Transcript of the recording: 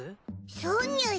そうにゅい。